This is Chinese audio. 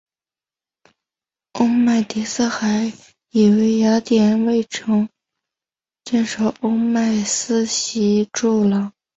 欧迈尼斯还为雅典卫城建造欧迈尼斯柱廊。